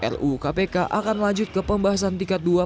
ru kpk akan lanjut ke pembahasan tingkat dua